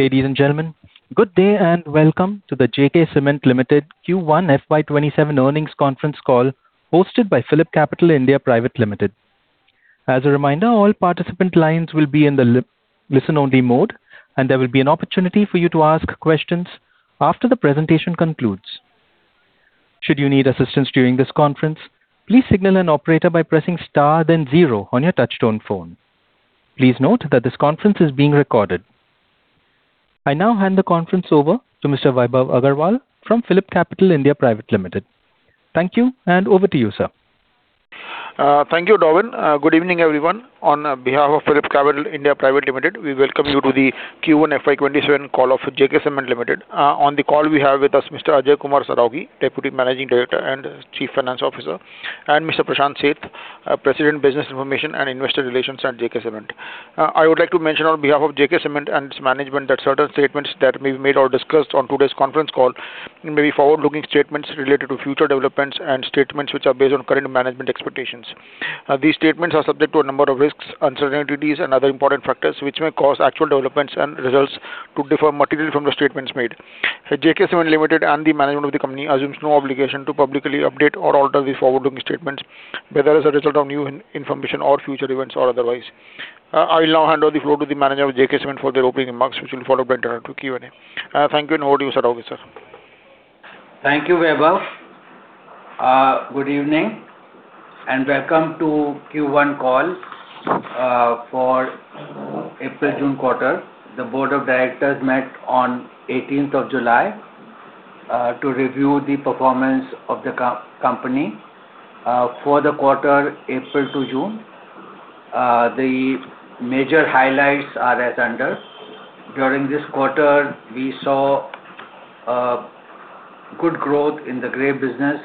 Ladies and gentlemen, good day and welcome to the JK Cement Limited Q1 FY 2027 earnings conference call hosted by PhillipCapital (India) Pvt. Ltd. As a reminder, all participant lines will be in the listen-only mode, and there will be an opportunity for you to ask questions after the presentation concludes. Should you need assistance during this conference, please signal an operator by pressing star then zero on your touch-tone phone. Please note that this conference is being recorded. I now hand the conference over to Mr. Vaibhav Agarwal from PhillipCapital (India) Pvt. Ltd. Thank you, and over to you, sir. Thank you, Darwin. Good evening, everyone. On behalf of PhillipCapital (India) Pvt. Ltd. We welcome you to the Q1 FY 2027 call of JK Cement Limited. On the call we have with us Mr. Ajay Kumar Saraogi, Deputy Managing Director and Chief Financial Officer, and Mr. Prashant Seth, President, Business Information and Investor Relations at JK Cement. I would like to mention on behalf of JK Cement and its management that certain statements that may be made or discussed on today's conference call may be forward-looking statements related to future developments and statements which are based on current management expectations. These statements are subject to a number of risks, uncertainties, and other important factors which may cause actual developments and results to differ materially from the statements made. JK Cement Limited and the management of the company assumes no obligation to publicly update or alter these forward-looking statements, whether as a result of new information or future events or otherwise. I will now hand over the floor to the manager of JK Cement for their opening remarks, which will be followed by a direct Q&A. Thank you, and over to you, Saraogi. Thank you, Vaibhav. Good evening, and welcome to Q1 call for April-June quarter. The board of directors met on the 18th of July to review the performance of the company for the quarter April to June. The major highlights are as follows. During this quarter, we saw good growth in the grey business,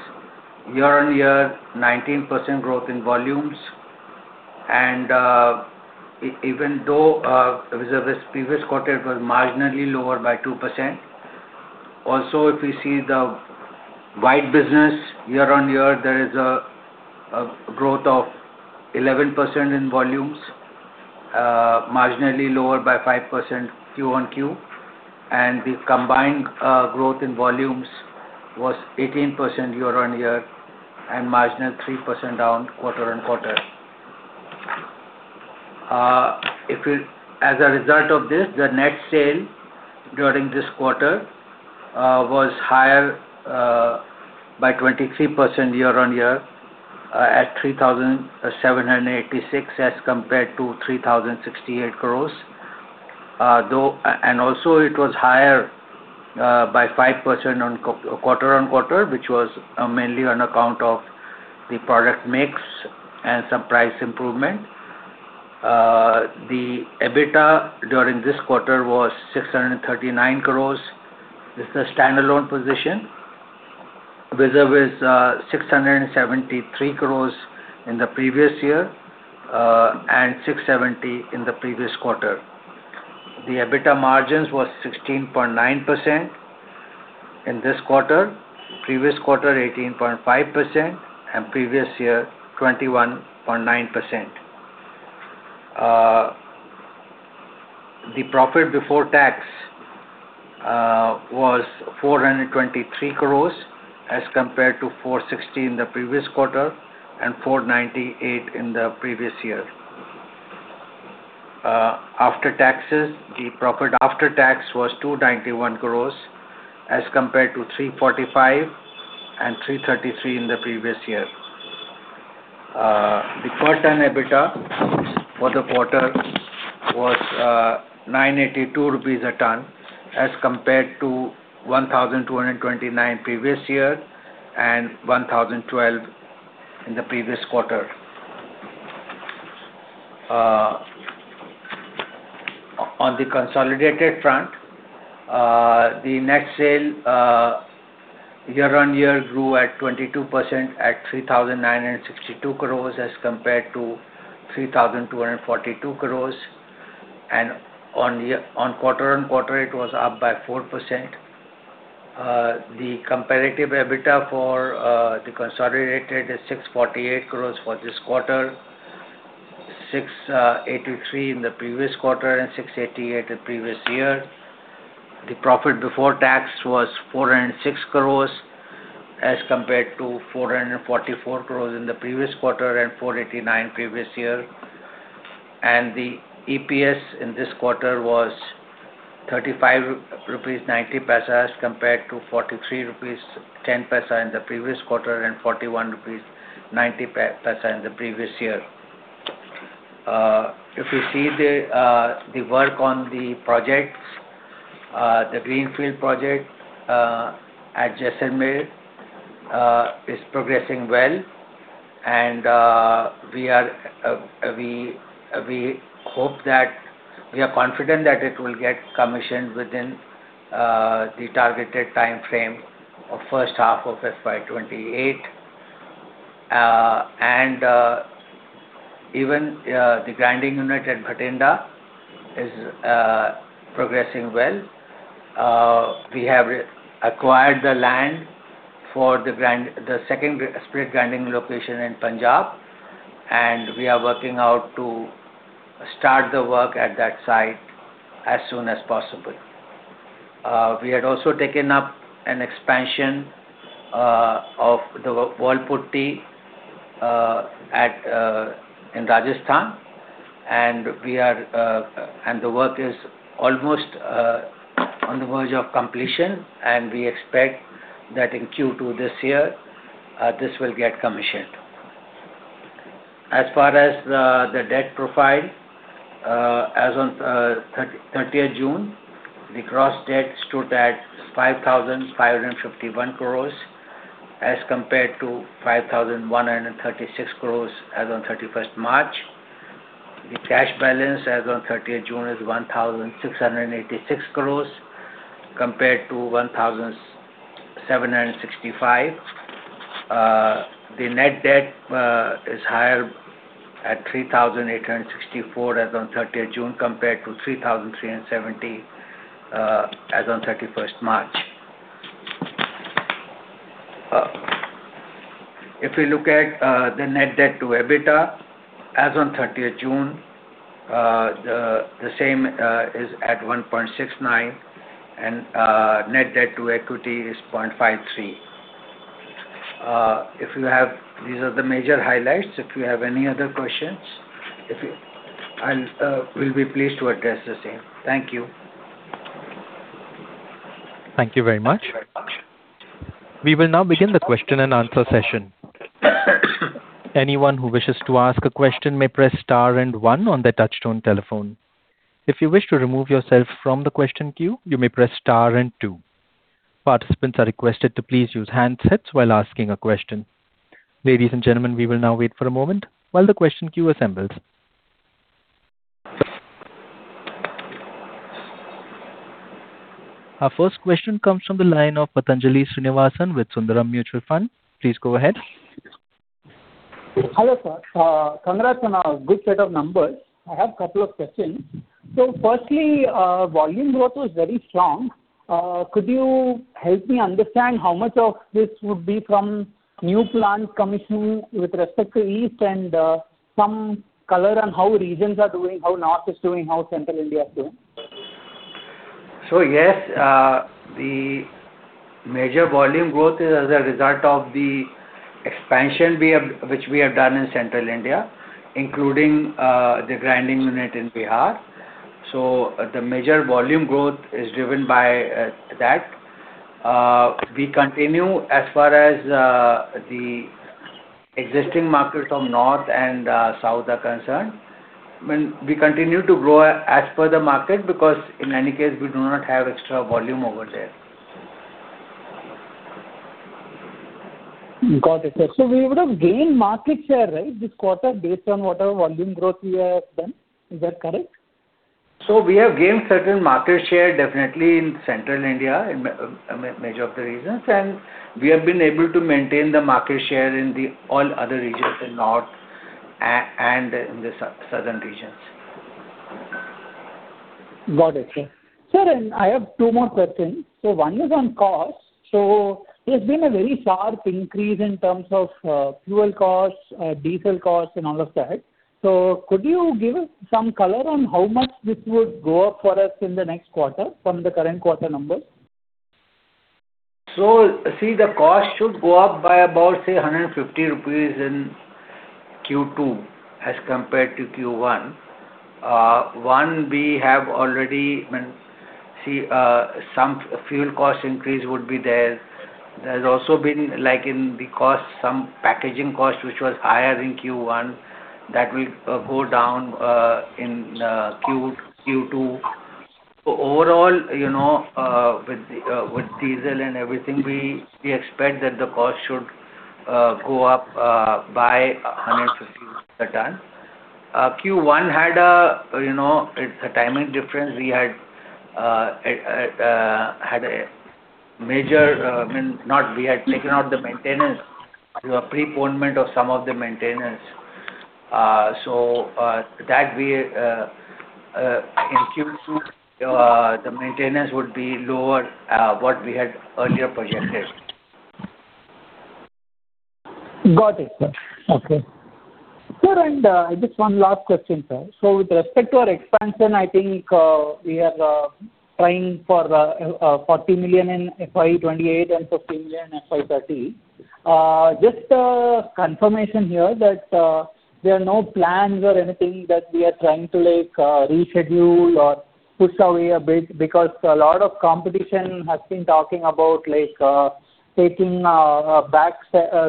year-on-year, 19% growth in volumes. Even though the previous quarter was marginally lower by 2%. If we see the white business year-on-year, there is a growth of 11% in volumes, marginally lower by 5% quarter-on-quarter. The combined growth in volumes was 18% year-on-year and marginal 3% down quarter-on-quarter. As a result of this, the net sale during this quarter was higher by 23% year-on-year at 3,786 crore as compared to 3,068 crore. Also it was higher by 5% quarter-on-quarter, which was mainly on account of the product mix and some price improvement. The EBITDA during this quarter was 639 crores. This is a standalone position. Vis-à-vis 673 crores in the previous year, and 670 in the previous quarter. The EBITDA margin was 16.9% in this quarter, 18.5% in the previous quarter, and 21.9% in the previous year. The profit before tax was 423 crores as compared to 416 in the previous quarter and 498 in the previous year. After taxes, the profit after tax was 291 crores as compared to 345 and 333 in the previous year. The cost on EBITDA for the quarter was INR 982 a ton as compared to INR 1,229 in the previous year and INR 1,012 in the previous quarter. On the consolidated front, the net sales year-on-year grew at 22% at 3,962 crores as compared to 3,242 crores. On quarter-on-quarter, it was up by 4%. The comparative EBITDA for the consolidated is 648 crores for this quarter, 683 in the previous quarter, and 688 in the previous year. The profit before tax was 406 crores as compared to 444 crores in the previous quarter and 489 in the previous year. The EPS in this quarter was 35.90 rupees as compared to 43.10 rupees in the previous quarter and 41.90 rupees in the previous year. If you see the work on the projects, the greenfield project at Jaisalmer is progressing well and we are confident that it will get commissioned within the targeted timeframe of first half of FY 2028. Even the grinding unit at Bathinda is progressing well. We have acquired the land for the second split grinding location in Punjab, and we are working out to start the work at that site as soon as possible. We had also taken up an expansion of the wall putty in Rajasthan. The work is almost on the verge of completion, and we expect that in Q2 this year, this will get commissioned. As far as the debt profile, as on 30th June, the gross debt stood at 5,551 crores as compared to 5,136 crores as on 31st March. The cash balance as on 30th June is 1,686 crores compared to 1,765. The net debt is higher at 3,864 as on 30th June, compared to 3,370 as on 31st March. If we look at the net debt to EBITDA as on 30th June, the same is at 1.69x, and net debt to equity is 0.53x. These are the major highlights. If you have any other questions, we will be pleased to address the same. Thank you. Thank you very much. We will now begin the question and answer session. Anyone who wishes to ask a question may press star and one on their touch-tone telephone. If you wish to remove yourself from the question queue, you may press star and two. Participants are requested to please use handsets while asking a question. Ladies and gentlemen, we will now wait for a moment while the question queue assembles. Our first question comes from the line of Pathanjali Srinivasan with Sundaram Mutual Fund. Please go ahead. Hello, sir. Congrats on a good set of numbers. I have a couple of questions. Firstly, volume growth was very strong. Could you help me understand how much of this would be from new plants commissioning with respect to East, and some color on how regions are doing, how North is doing, how Central India is doing? Yes, the major volume growth is as a result of the expansion which we have done in Central India, including the grinding unit in Bihar. The major volume growth is driven by that. We continue as far as the existing markets of North and South are concerned. We continue to grow as per the market because, in any case, we do not have extra volume over there. Got it, sir. We would have gained market share, right? This quarter based on whatever volume growth we have done. Is that correct? We have gained certain market share definitely in Central India, in major of the regions, and we have been able to maintain the market share in the all other regions in North and in the Southern regions. Got it, sir. Sir, I have two more questions. One is on cost. There's been a very sharp increase in terms of fuel costs, diesel costs, and all of that. Could you give some color on how much this would go up for us in the next quarter from the current quarter numbers? See, the cost should go up by about, say, 150 rupees in Q2 as compared to Q1. One, some fuel cost increase would be there. There's also been, like in the cost, some packaging cost, which was higher in Q1. That will go down in Q2. Overall, with diesel and everything, we expect that the cost should go up by 150 a ton. Q1 had a timing difference. We had taken out the maintenance through a preponement of some of the maintenance. That way, in Q2, the maintenance would be lower what we had earlier projected. Got it, sir. Okay. Sir, just one last question, sir. With respect to our expansion, I think we are trying for 40 million tonnes in FY 2028 and 50 million tonnes in FY 2030. Just a confirmation here that there are no plans or anything that we are trying to reschedule or push away a bit, because a lot of competition has been talking about taking a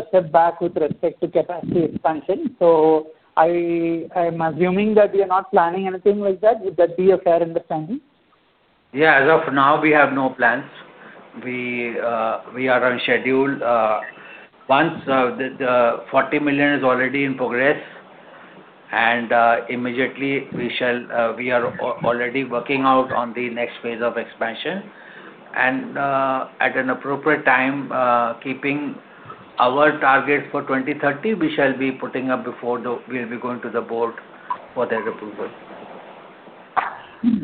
step back with respect to capacity expansion. I'm assuming that we are not planning anything like that. Would that be a fair understanding? Yeah. As of now, we have no plans. We are on schedule. Once the 40 million tonnes is already in progress, and immediately we are already working out on the next phase of expansion, and at an appropriate time keeping our targets for 2030, we shall be putting up before we'll be going to the board for their approval.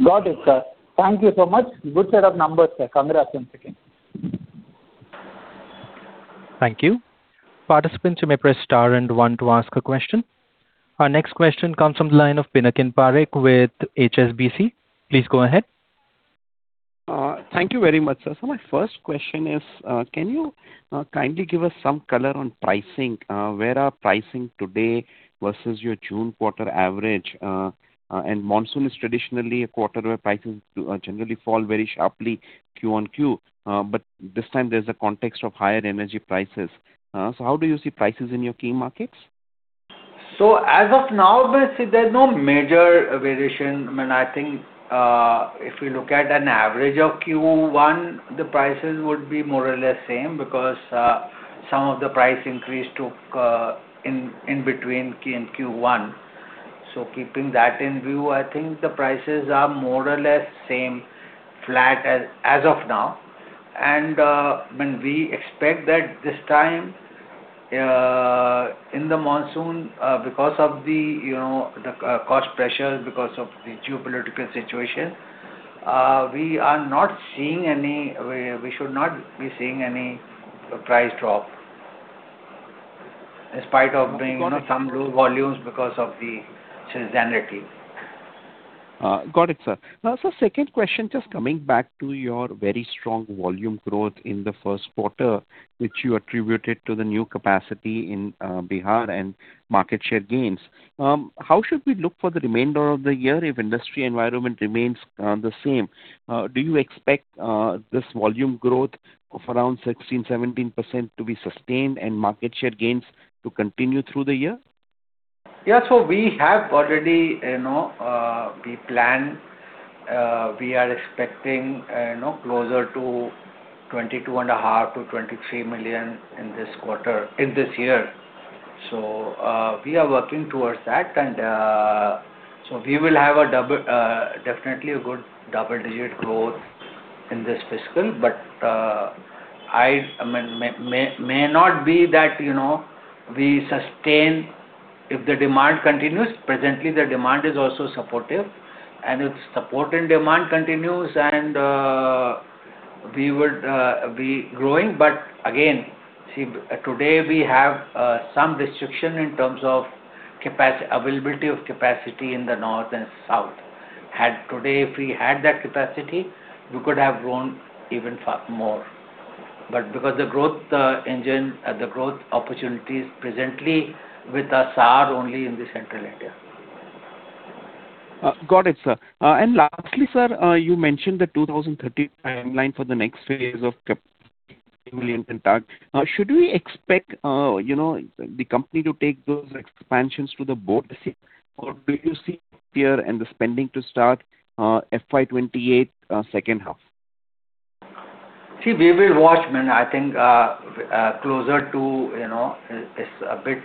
Got it, sir. Thank you so much. Good set of numbers, sir. Congratulations again. Thank you. Participants, you may press star and one to ask a question. Our next question comes from the line of Pinakin Parekh with HSBC. Please go ahead. Thank you very much, sir. My first question is, can you kindly give us some color on pricing? Where are pricing today versus your June quarter average? Monsoon is traditionally a quarter where prices generally fall very sharply Q on Q, but this time there's a context of higher energy prices. How do you see prices in your key markets? As of now, there's no major variation. I think if you look at an average of Q1, the prices would be more or less same because some of the price increase took in between Q and Q1. Keeping that in view, I think the prices are more or less same, flat as of now. We expect that this time in the monsoon, because of the cost pressures, because of the geopolitical situation, we should not be seeing any price drop, in spite of doing some low volumes because of the seasonality. Got it, sir. Sir, second question, just coming back to your very strong volume growth in the first quarter, which you attributed to the new capacity in Bihar and market share gains. How should we look for the remainder of the year if industry environment remains the same? Do you expect this volume growth of around 16%-17% to be sustained and market share gains to continue through the year? Yeah. We are expecting closer to 22.5 million-23 million in this year. We are working towards that. We will have definitely a good double-digit growth in this fiscal. May not be that we sustain if the demand continues. Presently, the demand is also supportive, if support and demand continues and we would be growing. Again, today we have some restriction in terms of availability of capacity in the north and south. Had today, if we had that capacity, we could have grown even more. Because the growth opportunities presently with us are only in the central India. Got it, sir. Lastly, sir, you mentioned the 2030 timeline for the next phase of million MTPA. Should we expect the company to take those expansions to the board this year? Or do you see here and the spending to start FY 2028 second half? See, we will watch. I think it's a bit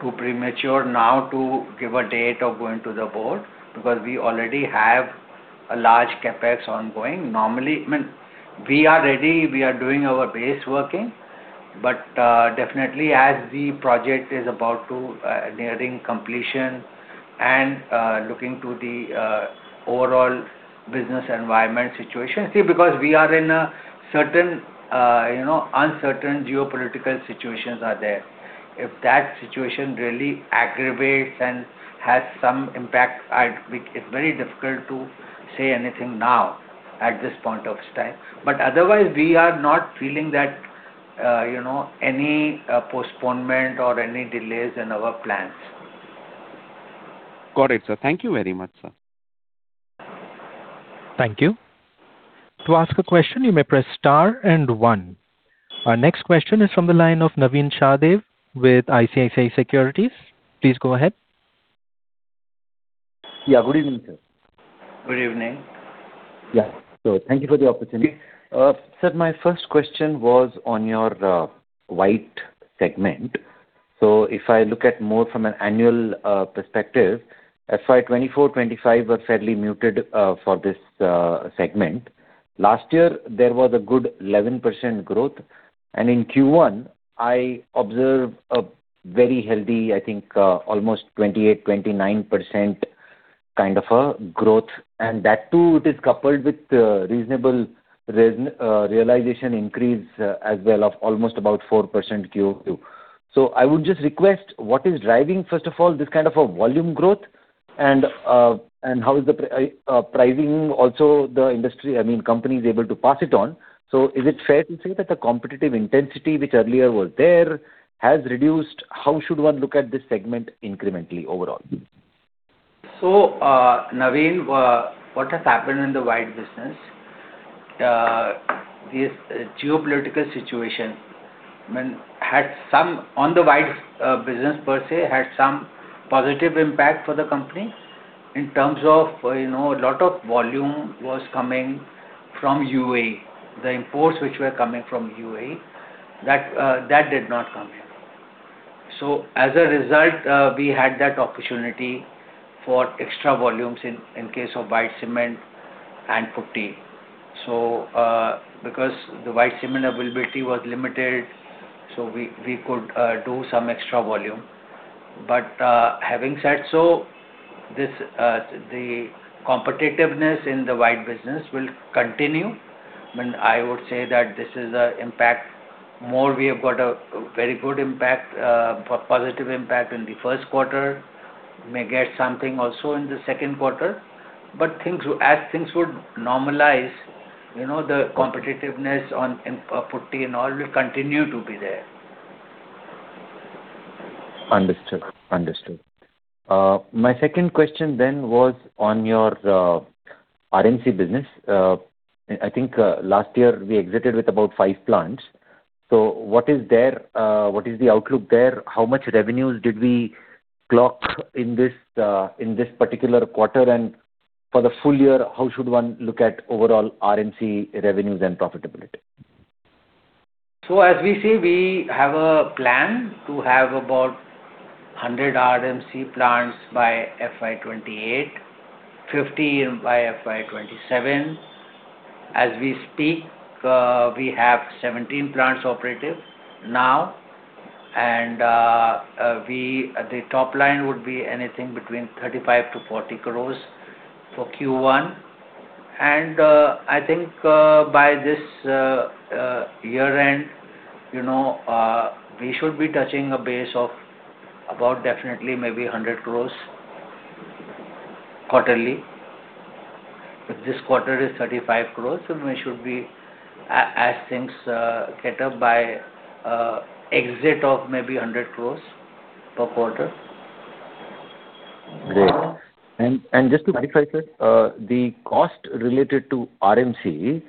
too premature now to give a date of going to the board because we already have a large CapEx ongoing. Normally, we are ready, we are doing our base working, definitely as the project is about to nearing completion and looking to the overall business environment situation. See, because we are in an uncertain geopolitical situations are there. If that situation really aggravates and has some impact, it's very difficult to say anything now at this point of time. Otherwise, we are not feeling that any postponement or any delays in our plans. Got it, sir. Thank you very much, sir. Thank you. To ask a question, you may press star and one. Our next question is from the line of Navin Sahadeo with ICICI Securities. Please go ahead. Yeah. Good evening, sir. Good evening. Thank you for the opportunity. Sir, my first question was on your white segment. If I look at more from an annual perspective, FY 2024/2025 were fairly muted for this segment. Last year there was a good 11% growth. In Q1 I observed a very healthy, I think almost 28%-29% kind of a growth. That too it is coupled with reasonable realization increase as well of almost about 4% quarter-over-quarter. I would just request, what is driving, first of all, this kind of a volume growth and how is the pricing also the industry, I mean, company is able to pass it on. Is it fair to say that the competitive intensity which earlier was there has reduced? How should one look at this segment incrementally overall? Navin, what has happened in the white business, this geopolitical situation on the white business per se had some positive impact for the company in terms of a lot of volume was coming from UAE. The imports which were coming from UAE, that did not come in. As a result, we had that opportunity for extra volumes in case of white cement and putty. Because the white cement availability was limited, we could do some extra volume. Having said so, the competitiveness in the white business will continue. I would say that this is a very good impact, positive impact in the first quarter, may get something also in the second quarter. As things would normalize, the competitiveness on putty and all will continue to be there. Understood. My second question was on your RMC business. I think last year we exited with about five plants. What is the outlook there? How much revenues did we clock in this particular quarter? For the full year, how should one look at overall RMC revenues and profitability? As we say, we have a plan to have about 100 RMC plants by FY 2028, 50 by FY 2027. As we speak, we have 17 plants operative now. The top line would be anything between 35 crores-40 crores for Q1. I think by this year-end, we should be touching a base of about definitely maybe 100 crores quarterly. If this quarter is 35 crores, we should be by exit of maybe 100 crores per quarter. Great. Just to clarify, sir, the cost related to RMC,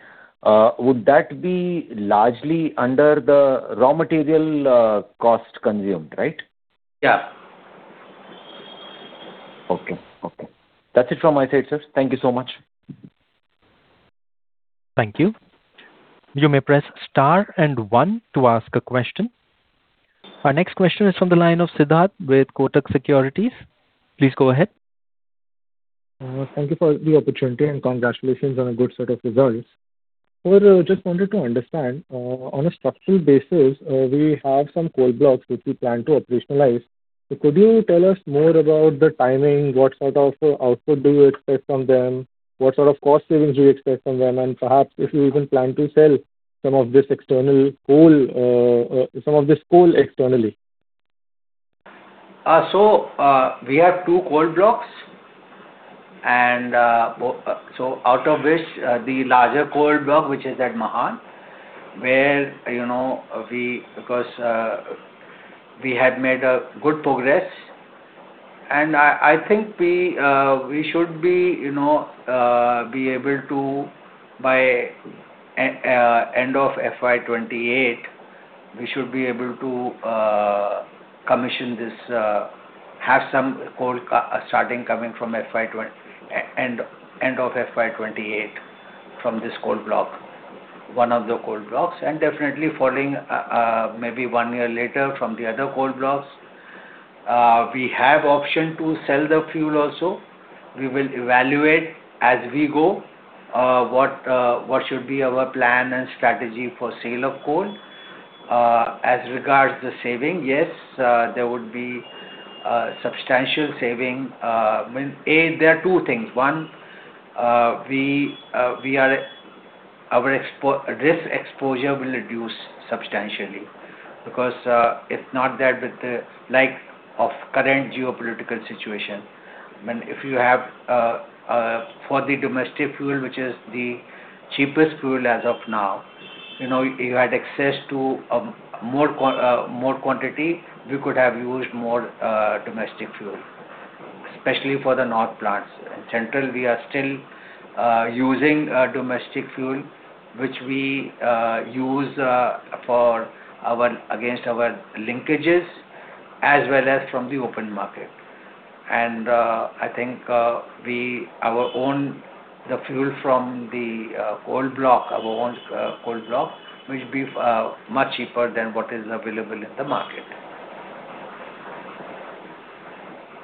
would that be largely under the raw material cost consumed, right? Yeah. Okay. That's it from my side, sir. Thank you so much. Thank you. You may press star one to ask a question. Our next question is from the line of Siddharth Mehrotra with Kotak Securities. Please go ahead. Thank you for the opportunity, congratulations on a good set of results. Sir, just wanted to understand, on a structural basis, we have some coal blocks which we plan to operationalize. Could you tell us more about the timing? What sort of output do you expect from them? What sort of cost savings do you expect from them? Perhaps if you even plan to sell some of this coal externally. We have two coal blocks, out of which the larger coal block, which is at Mahan, where because we had made a good progress, and I think by end of FY 2028, we should be able to have some coal starting coming from end of FY 2028 from this coal block, one of the coal blocks, and definitely following maybe one year later from the other coal blocks. We have option to sell the fuel also. We will evaluate as we go, what should be our plan and strategy for sale of coal. As regards the saving, yes, there would be substantial saving. There are two things. One, this exposure will reduce substantially because if not that with the like of current geopolitical situation, if you have for the domestic fuel, which is the cheapest fuel as of now, you had access to more quantity, we could have used more domestic fuel, especially for the north plants. In central, we are still using domestic fuel, which we use against our linkages as well as from the open market. I think the fuel from our own coal block will be much cheaper than what is available in the market.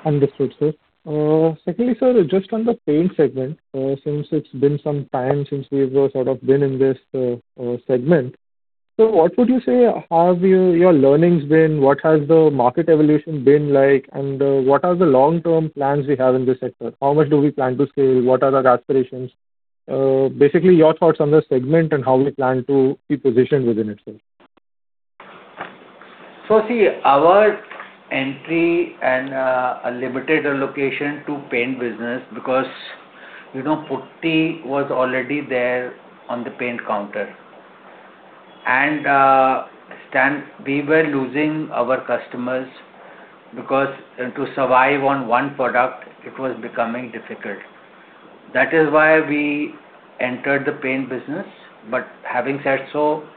Understood, sir. Secondly, sir, just on the paint segment, since it's been some time since we've sort of been in this segment, what would you say have your learnings been? What has the market evolution been like? What are the long-term plans we have in this sector? How much do we plan to scale? What are our aspirations? Basically, your thoughts on the segment and how we plan to be positioned within it, sir. See, our entry and a limited allocation to paint business because putty was already there on the paint counter. We were losing our customers because to survive on one product, it was becoming difficult. That is why we entered the paint business. Having said so,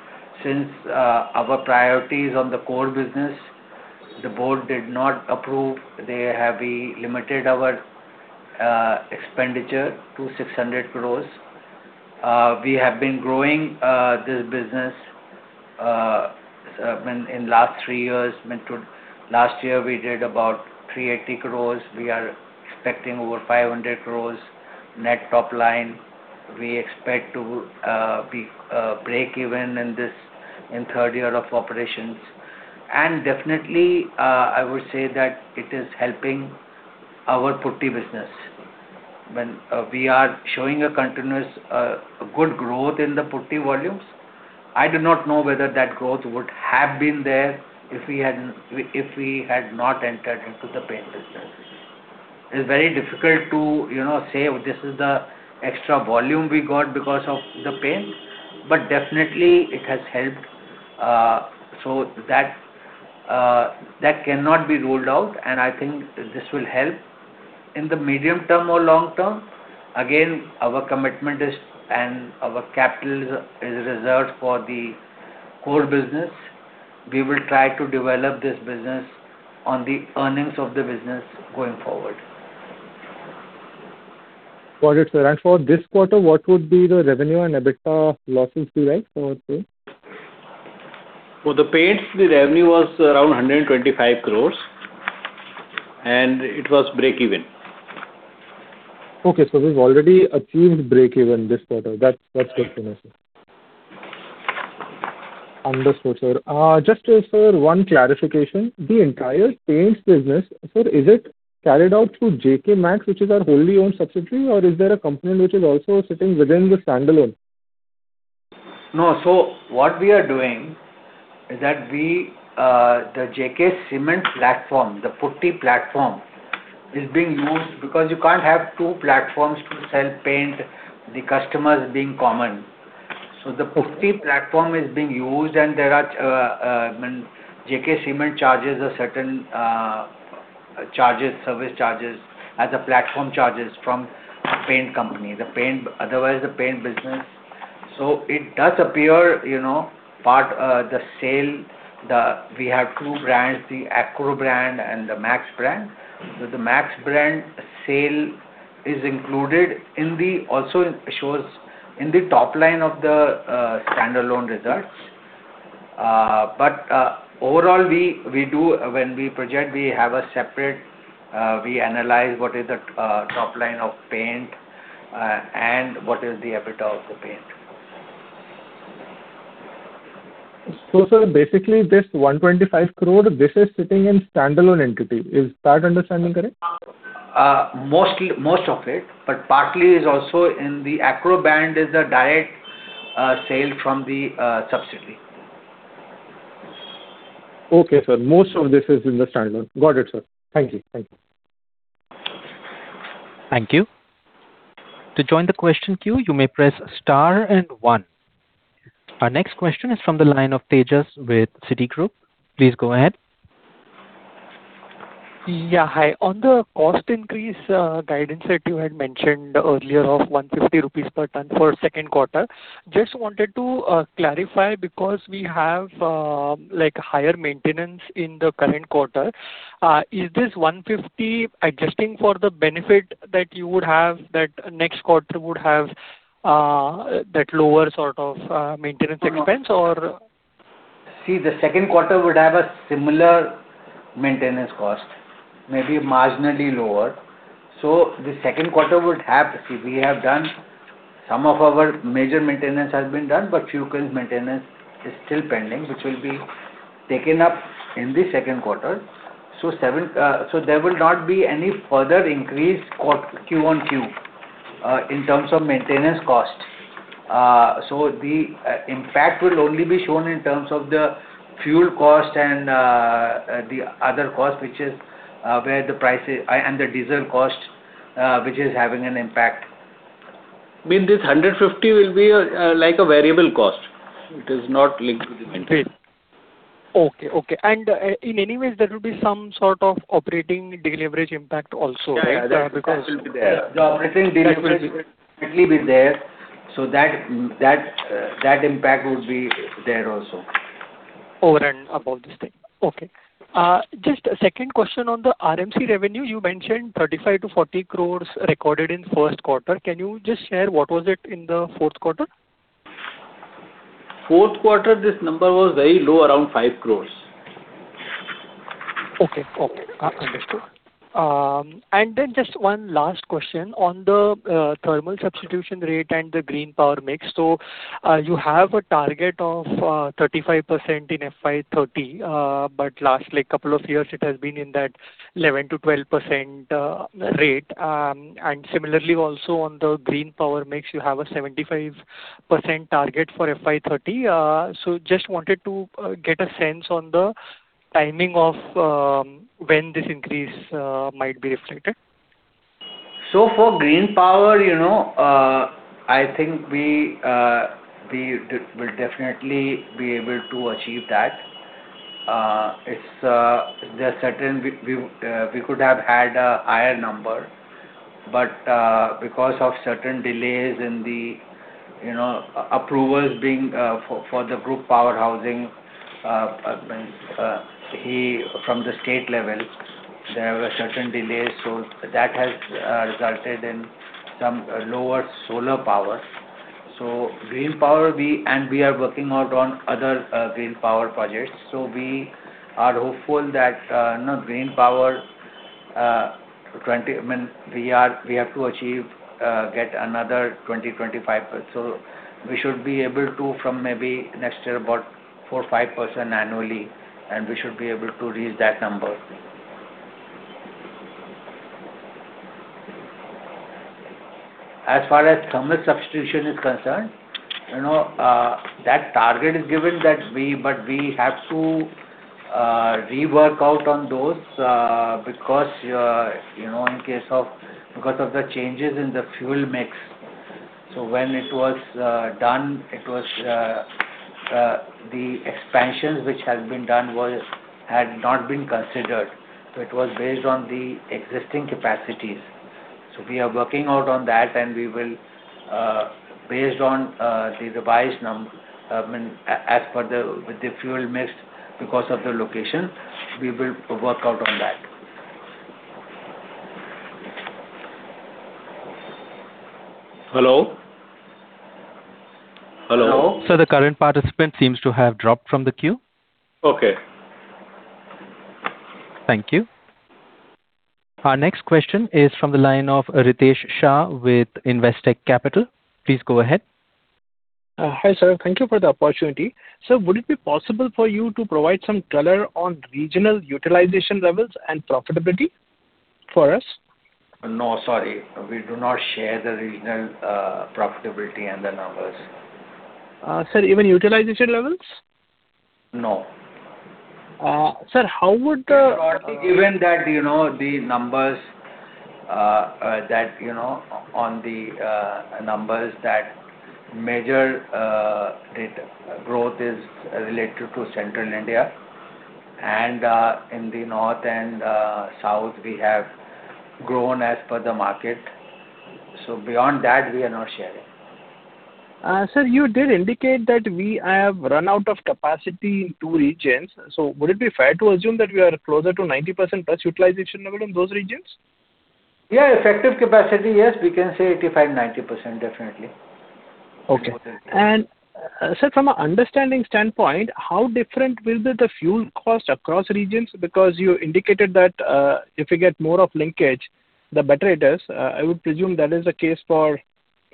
since our priorities on the core business, the board did not approve, we limited our expenditure to 600 crores. We have been growing this business in last three years. Last year, we did about 380 crores. We are expecting over 500 crores net top line. We expect to be breakeven in third year of operations. Definitely, I would say that it is helping our putty business. We are showing a continuous good growth in the putty volumes. I do not know whether that growth would have been there if we had not entered into the paint business. It is very difficult to say, "Oh, this is the extra volume we got because of the paint." Definitely, it has helped. That cannot be ruled out, and I think this will help. In the medium term or long term, again, our commitment is, and our capital is reserved for the core business. We will try to develop this business on the earnings of the business going forward. Got it, sir. For this quarter, what would be the revenue and EBITDA losses be like for paint? For the paints, the revenue was around 125 crores. It was breakeven. We've already achieved breakeven this quarter. That's good to know, sir. Understood, sir. Just, sir, one clarification. The entire paints business, sir, is it carried out through JK Maxx, which is our wholly owned subsidiary, or is there a component which is also sitting within the standalone? No. What we are doing is that the JK Cement platform, the putty platform, is being used because you can't have two platforms to sell paint, the customers being common. It does appear part of the sale. We have two brands, the Acro brand and the JK Maxx brand. The JK Maxx brand sale is included, also shows in the top line of the standalone results. Overall, when we project, we analyze what is the top line of paint, and what is the EBITDA of the paint. Sir, basically this 125 crore, this is sitting in standalone entity. Is that understanding correct? Most of it, partly is also in the Acro brand is a direct sale from the subsidiary. Okay, sir. Most of this is in the standalone. Got it, sir. Thank you. Thank you. To join the question queue, you may press star and one. Our next question is from the line of Tejas Pradhan with Citigroup. Please go ahead. Yeah, hi. On the cost increase guidance that you had mentioned earlier of 150 rupees per ton for second quarter, just wanted to clarify because we have higher maintenance in the current quarter. Is this 150 adjusting for the benefit that next quarter would have that lower sort of maintenance expense or? See, the second quarter would have a similar maintenance cost, maybe marginally lower. Some of our major maintenance has been done, few maintenance is still pending, which will be taken up in the second quarter. There will not be any further increase Q on Q in terms of maintenance cost. The impact will only be shown in terms of the fuel cost and the other cost, and the diesel cost which is having an impact. Meaning this 150 will be like a variable cost. It is not linked to the maintenance. Okay. In any way, there will be some sort of operating deleverage impact also, right? Yeah. The operating deleverage will definitely be there. That impact would be there also. Over and above this thing. Okay. Just a second question on the RMC revenue. You mentioned 35 crores-40 crores recorded in first quarter. Can you just share what was it in the fourth quarter? Fourth quarter, this number was very low, around 5 crores. Okay. Understood. Just one last question on the thermal substitution rate and the green power mix. You have a target of 35% in FY 2030, but last couple of years it has been in that 11%-12% rate. Similarly also on the green power mix, you have a 75% target for FY 2030. Just wanted to get a sense on the timing of when this increase might be reflected. For green power, I think we will definitely be able to achieve that. We could have had a higher number, but because of certain delays in the approvals for the group power housing from the state level. There were certain delays, that has resulted in some lower solar power. Green power, and we are working out on other green power projects. We are hopeful that green power, we have to achieve get another 2025. We should be able to from maybe next year, about 4% or 5% annually, and we should be able to reach that number. As far as thermal substitution is concerned, that target is given, but we have to rework out on those, because of the changes in the fuel mix. When it was done, the expansions which had been done had not been considered. It was based on the existing capacities. We are working out on that, and based on the revised number with the fuel mix because of the location, we will work out on that. Hello? Hello? Sir, the current participant seems to have dropped from the queue. Okay. Thank you. Our next question is from the line of Ritesh Shah with Investec Capital. Please go ahead. Hi, sir. Thank you for the opportunity. Sir, would it be possible for you to provide some color on regional utilization levels and profitability for us? No, sorry. We do not share the regional profitability and the numbers. Sir, even utilization levels? No. Sir, how would- Given that on the numbers that major growth is related to Central India, and in the North and South, we have grown as per the market. Beyond that, we are not sharing. Sir, you did indicate that we have run out of capacity in two regions. Would it be fair to assume that we are closer to 90% plus utilization level in those regions? Yeah, effective capacity, yes, we can say 85%-90%, definitely. Okay. Sir, from an understanding standpoint, how different will be the fuel cost across regions? Because you indicated that if we get more of linkage, the better it is. I would presume that is the case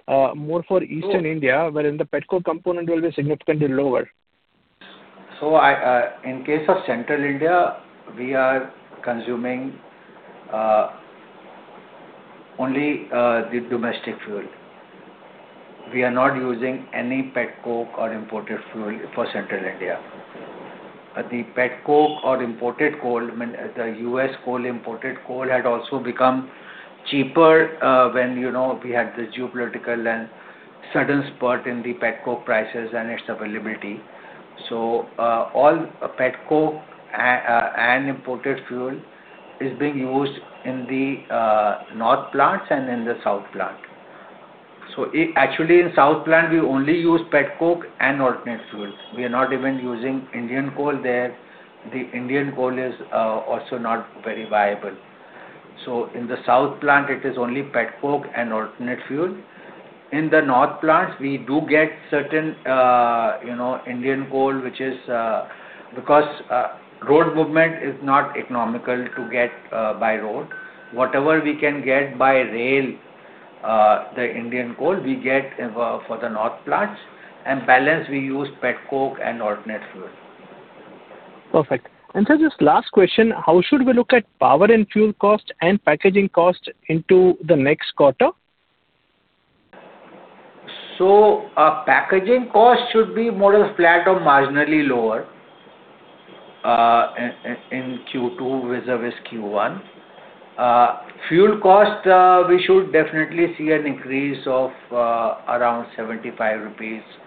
more for Eastern India, wherein the petcoke component will be significantly lower. In case of Central India, we are consuming only the domestic fuel. We are not using any petcoke or imported fuel for Central India. The petcoke or imported coal, the U.S. imported coal had also become cheaper when we had the geopolitical and sudden spurt in the petcoke prices and its availability. All petcoke and imported fuel is being used in the North plants and in the South plant. Actually, in South plant, we only use petcoke and alternate fuels. We are not even using Indian coal there. The Indian coal is also not very viable. In the South plant, it is only petcoke and alternate fuel. In the North plants, we do get certain Indian coal because road movement is not economical to get by road. Whatever we can get by rail, the Indian coal we get for the North plants, and balance, we use petcoke and alternate fuel. Perfect. Sir, just last question. How should we look at power and fuel cost and packaging cost into the next quarter? Packaging cost should be more or less flat or marginally lower in Q2 vis-a-vis Q1. Fuel cost, we should definitely see an increase of around 75-100 rupees.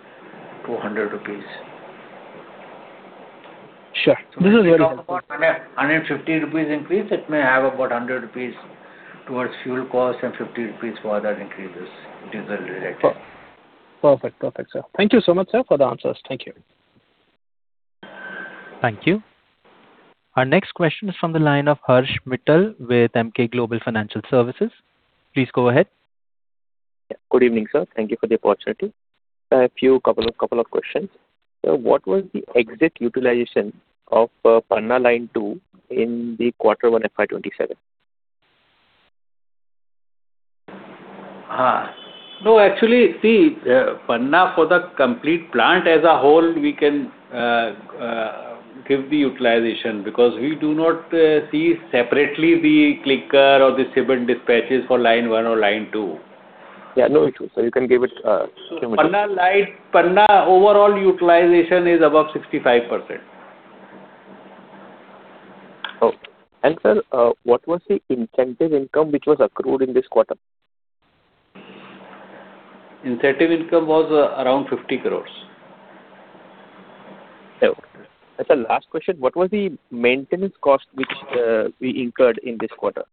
Sure. This is very helpful. If we talk about 150 rupees increase, it may have about 100 rupees towards fuel cost and 50 rupees for other increases, diesel related. Perfect. Sir. Thank you so much, sir, for the answers. Thank you. Thank you. Our next question is from the line of Harsh Mittal with Emkay Global Financial Services. Please go ahead. Good evening, sir. Thank you for the opportunity. A couple of questions. Sir, what was the exit utilization of Panna line 2 in the Quarter One FY 2027? Actually, see, Panna for the complete plant as a whole, we can give the utilization because we do not see separately the clinker or the cement dispatches for line 1 or line 2. Yeah, no issues, sir. You can give it to me. Panna overall utilization is above 65%. Okay. Sir, what was the incentive income which was accrued in this quarter? Incentive income was around 50 crores. Okay. Sir, last question. What was the maintenance cost which we incurred in this quarter?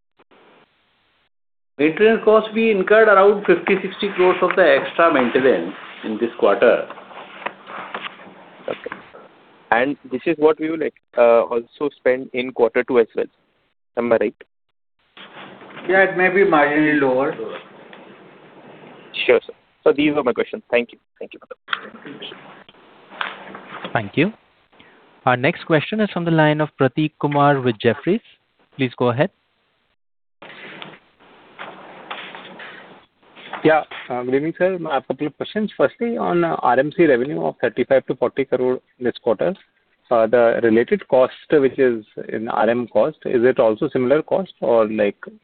Maintenance cost we incurred around 50 crores-60 crores of the extra maintenance in this quarter. This is what we will also spend in quarter two as well, number eight? Yeah, it may be marginally lower. Sure, sir. These were my questions. Thank you. Thank you. Thank you. Our next question is on the line of Prateek Kumar with Jefferies. Please go ahead. Good evening, sir. I have a couple of questions. Firstly, on RMC revenue of 35 crore-40 crore this quarter, the related cost, which is in RM cost, is it also similar cost or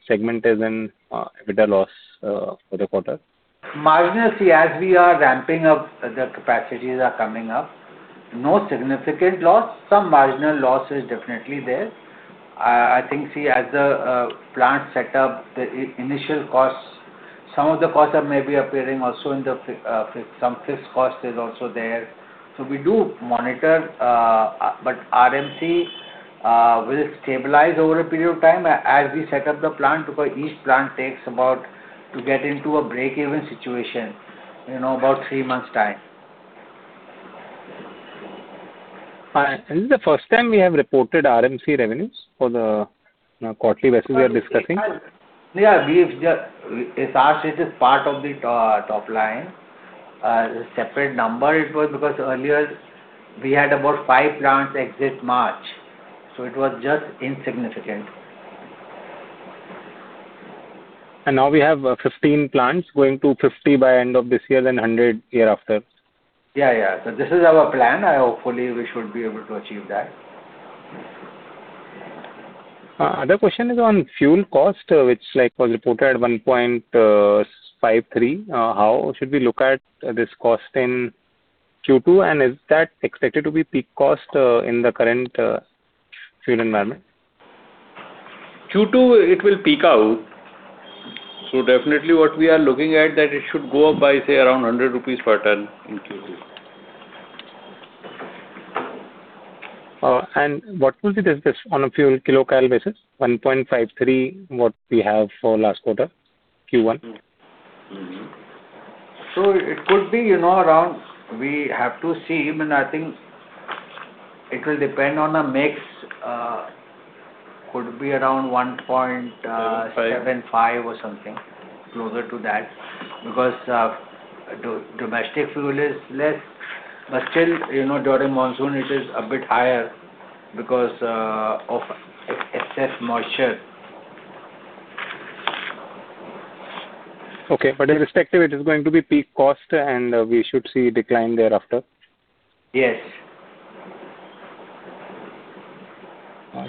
segment is in EBITDA loss for the quarter? Marginally. See, as we are ramping up, the capacities are coming up. No significant loss. Some marginal loss is definitely there. I think, see, as the plant set up, the initial costs, some of the costs are maybe appearing also in some fixed cost is also there. We do monitor, but RMC will stabilize over a period of time as we set up the plant. Because each plant takes about, to get into a break-even situation, about three months' time. Is the first time we have reported RMC revenues for the quarterly basis we are discussing? Yeah. As such it is part of the top line. A separate number it was because earlier we had about five plants exit March, so it was just insignificant. Now we have 15 plants going to 50 by end of this year, then 100 year after. Yeah. This is our plan. Hopefully, we should be able to achieve that. Other question is on fuel cost, which was reported 1.53. How should we look at this cost in Q2, and is that expected to be peak cost in the current fuel environment? Q2, it will peak out. Definitely what we are looking at that it should go up by, say, around 100 rupees per ton in Q2. What will it discuss on a fuel kilo cal basis? 1.53 per kcal what we have for last quarter, Q1. Mm-hmm. It could be around, we have to see. I think it will depend on a mix. Could be around 1.75 per kcal or something, closer to that because domestic fuel is less. Still, during monsoon it is a bit higher because of excess moisture. Okay. Irrespective it is going to be peak cost and we should see decline thereafter. Yes.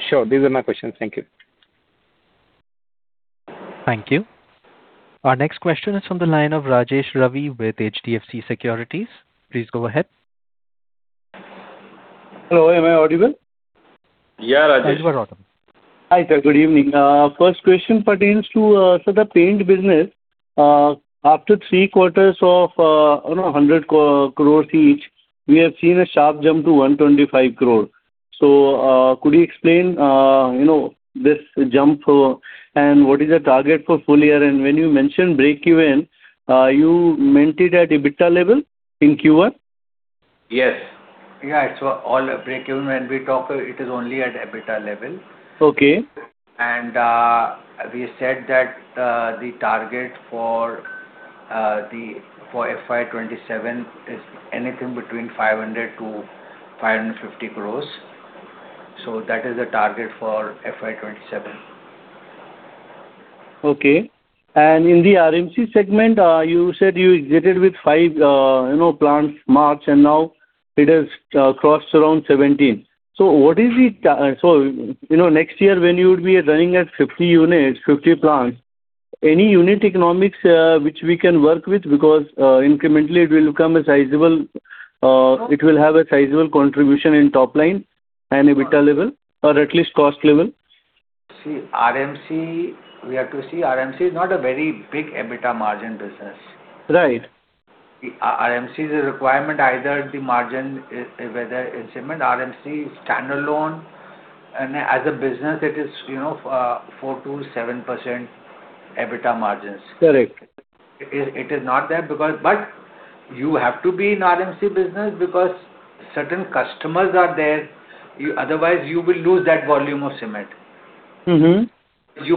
Sure. These are my questions. Thank you. Thank you. Our next question is from the line of Rajesh Ravi with HDFC Securities. Please go ahead. Hello, am I audible? Yeah, Rajesh. Hi, sir. Good evening. First question pertains to the paint business. After three quarters of 100 crore each, we have seen a sharp jump to 125 crore. Could you explain this jump and what is the target for full year? When you mention break even, you meant it at EBITDA level in Q1? Yes. All break even when we talk, it is only at EBITDA level. Okay. We said that the target for FY 2027 is anything between 500 crore-550 crore. That is the target for FY 2027. Okay. In the RMC segment, you said you exited with five plants March and now it has crossed around 17. Next year when you would be running at 50 units, 50 plants, any unit economics which we can work with because incrementally it will have a sizable contribution in top line and EBITDA level, or at least cost level. See, we have to see, RMC is not a very big EBITDA margin business. Right. RMC is a requirement, either the margin, whether in cement, RMC standalone, and as a business, it is 4%-7% EBITDA margins. Correct. It is not that because you have to be in RMC business because certain customers are there. Otherwise, you will lose that volume of cement. You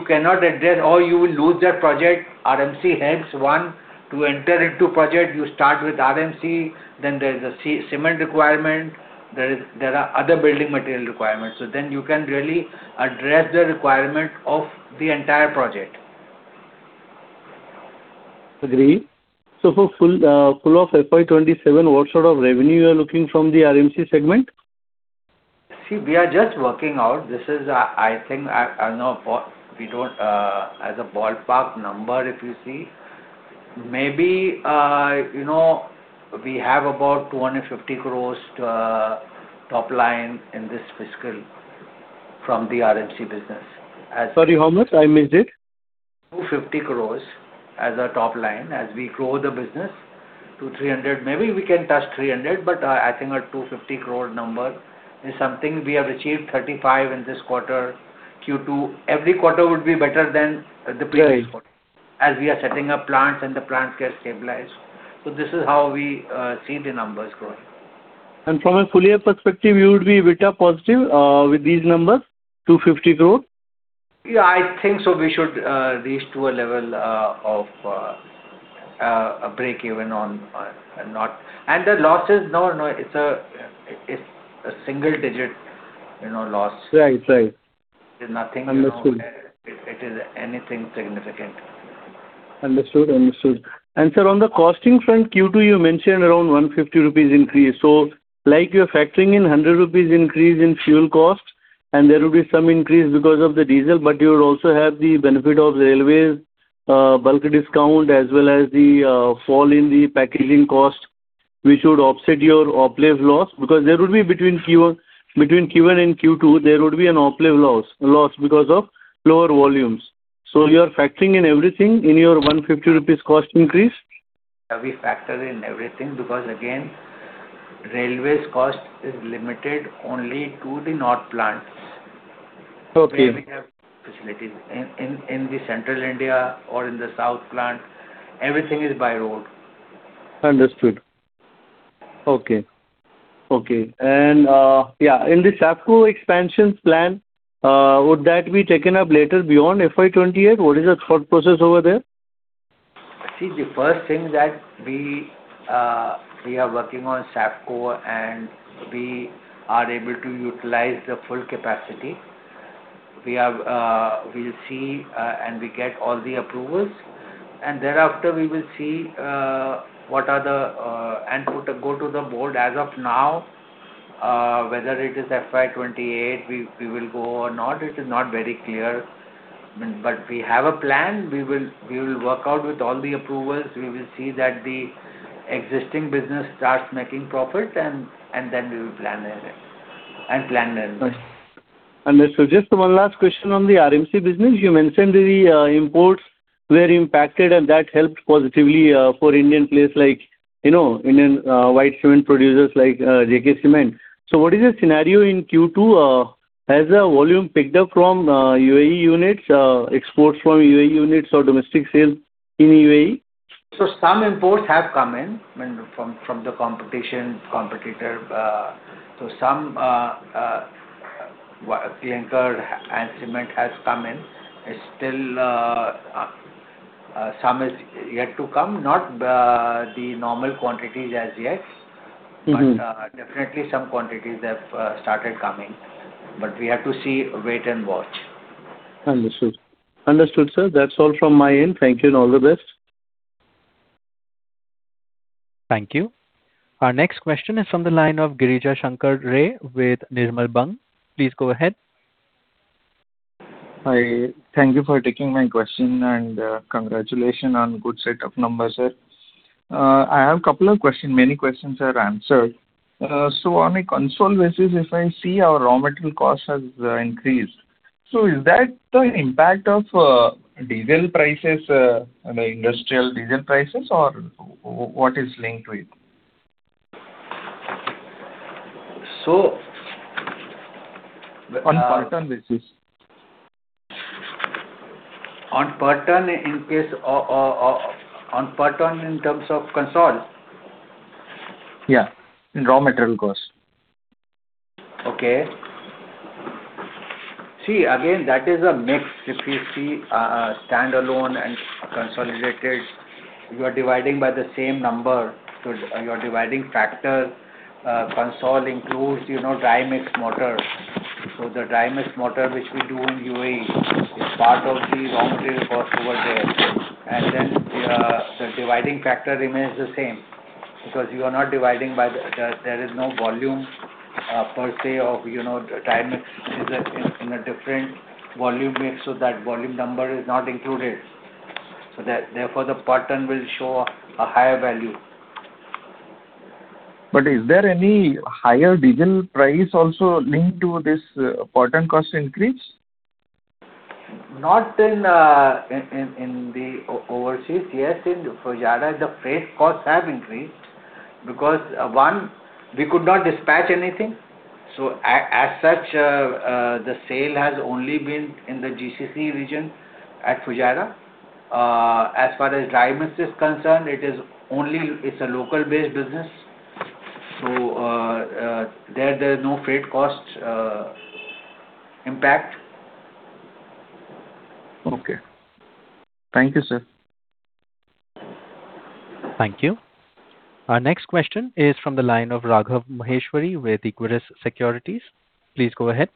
cannot address or you will lose that project. RMC helps, one, to enter into project, you start with RMC, then there is a cement requirement, there are other building material requirements. You can really address the requirement of the entire project. Agreed. For full of FY 2027, what sort of revenue you are looking from the RMC segment? See, we are just working out. This is, I think, as a ballpark number, if you see, maybe we have about 250 crores top line in this fiscal from the RMC business. Sorry, how much? I missed it. 250 crores as a top line. As we grow the business to 300, maybe we can touch 300, but I think an 250 crore number is something we have achieved 35 in this quarter, Q2. Every quarter would be better than the previous quarter. As we are setting up plants and the plants get stabilized. This is how we see the numbers growing. From a full year perspective, you would be EBITDA positive with these numbers, 250 crore? Yeah, I think so we should reach to a level of a breakeven on North. The losses, no, it's a single digit loss. Right. It's nothing. Understood It is anything significant. Understood. Sir, on the costing front, Q2, you mentioned around 150 rupees increase. Like you're factoring in 100 rupees increase in fuel costs, there will be some increase because of the diesel, you'll also have the benefit of the railways, bulk discount, as well as the fall in the packaging cost, which would offset your off-lift loss. Between Q1 and Q2, there would be an off-lift loss because of lower volumes. You are factoring in everything in your 150 rupees cost increase? We factor in everything because, again, railways cost is limited only to the North plants. Okay. Where we have facilities. In the Central India or in the South plant, everything is by road. Understood. Okay. In the Saifco expansions plan, would that be taken up later beyond FY 2028? What is the thought process over there? The first thing that we are working on Saifco, and we are able to utilize the full capacity. We'll see and we get all the approvals, and thereafter, we will see what are the input, go to the board as of now, whether it is FY 2028, we will go or not, it is not very clear. We have a plan. We will work out with all the approvals. We will see that the existing business starts making profit and then we will plan the rest. Understood. Just one last question on the RMC business. You mentioned the imports were impacted and that helped positively for Indian players like Indian white cement producers like JK Cement. What is the scenario in Q2? Has the volume picked up from UAE units, exports from UAE units or domestic sales in UAE? Some imports have come in from the competition, competitor. Some clinker and cement has come in. Still some is yet to come, not the normal quantities as yet. Definitely some quantities have started coming. We have to see, wait and watch. Understood, sir. That's all from my end. Thank you and all the best. Thank you. Our next question is from the line of Girija Shankar Ray with Nirmal Bang. Please go ahead. Hi, thank you for taking my question and congratulations on good set of numbers, sir. I have couple of questions, many questions are answered. On a consolidated basis, if I see our raw material cost has increased. Is that the impact of diesel prices, industrial diesel prices or what is linked to it? So- On standalone basis. On standalone in terms of consolidated? Yeah, in raw material cost. Okay. See, again, that is a mix. If you see standalone and consolidated, you are dividing by the same number. You are dividing factor. Consol. includes dry mix mortar. The dry mix mortar which we do in U.A.E. is part of the raw material cost over there. The dividing factor remains the same because there is no volume per se of the dry mix. It is in a different volume mix, so that volume number is not included. Therefore, the pattern will show a higher value. Is there any higher diesel price also linked to this pattern cost increase? Not in the overseas. Yes, in Fujairah, the freight costs have increased because, one, we could not dispatch anything, so as such, the sale has only been in the GCC region at Fujairah. As far as dry mix is concerned, it is a local-based business. There is no freight cost impact. Okay. Thank you, sir. Thank you. Our next question is from the line of Raghav Maheshwari with Equirus Securities. Please go ahead.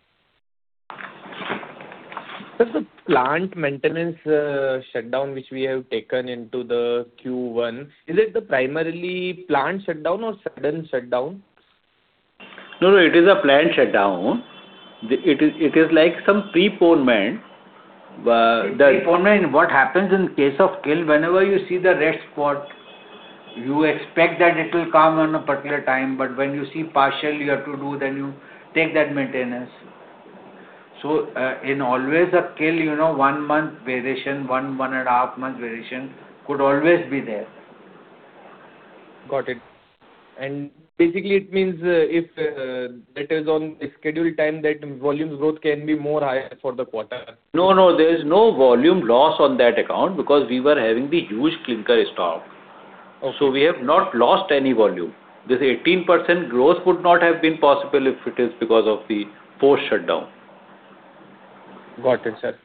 Sir, the plant maintenance shutdown which we have taken into the Q1, is it the planned plant shutdown or sudden shutdown? No, it is a planned shutdown. It is like some postponement. In postponement, what happens in case of kiln? Whenever you see the red spot, you expect that it will come on a particular time, but when you see partial you have to do, then you take that maintenance. So in always a kiln, one month variation, one and a half month variation could always be there. Got it. Basically it means if that is on a scheduled time, that volume growth can be more higher for the quarter. No, there is no volume loss on that account because we were having the huge clinker stock. Okay. We have not lost any volume. This 18% growth would not have been possible if it is because of the post shutdown. Got it, sir.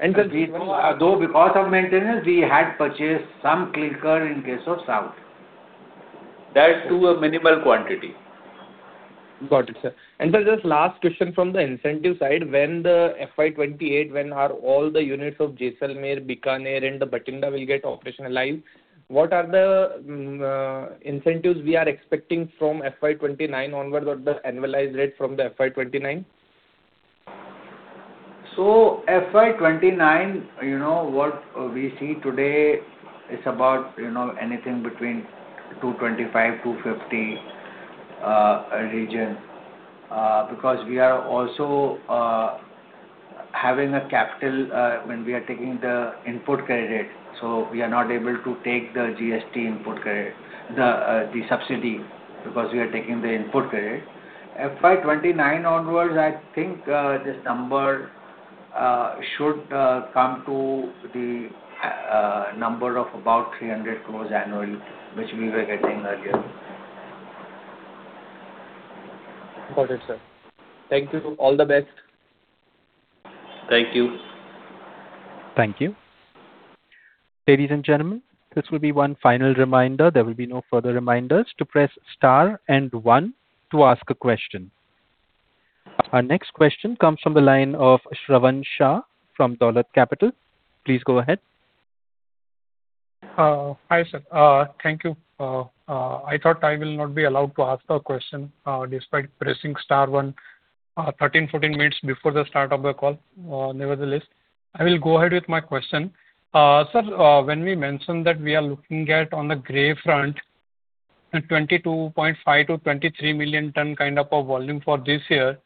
Because of maintenance, we had purchased some clinker in case of South. That's to a minimal quantity. Sir, just last question from the incentive side. When the FY 2028, when are all the units of Jaisalmer, Bikaner and Bathinda will get operationalized? What are the incentives we are expecting from FY 2029 onward or the annualized rate from the FY 2029? FY 2029, what we see today is about anything between 225-250 region, because we are also having a capital when we are taking the input credit, so we are not able to take the subsidy because we are taking the input credit. FY 2029 onwards, I think, this number should come to the number of about 300 crore annually, which we were getting earlier. Got it, sir. Thank you. All the best. Thank you. Thank you. Ladies and gentlemen, this will be one final reminder, there will be no further reminders, to press star and one to ask a question. Our next question comes from the line of Shravan Shah from Dolat Capital. Please go ahead. Hi, sir. Thank you. I thought I will not be allowed to ask a question, despite pressing star one 13, 14 minutes before the start of the call. Nevertheless, I will go ahead with my question. Sir, when we mentioned that we are looking at, on the grey front, a 22.5-23 million tonnes kind of a volume for this year,